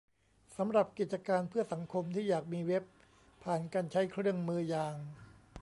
สำหรับกิจการเพื่อสังคมที่อยากมีเว็บผ่านการใช้เครื่องมืออย่าง